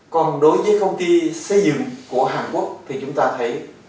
còn đối với công ty xây dựng của hàn quốc thì chúng ta thấy